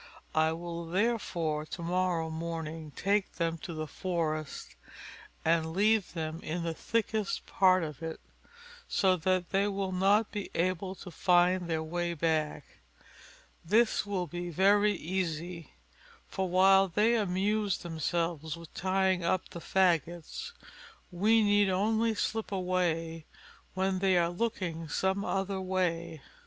I will, therefore, to morrow morning take them to the forest, and leave them in the thickest part of it, so that they will not be able to find their way back: this will be very easy; for while they amuse themselves with tying up the faggots, we need only slip away when they are looking some other way."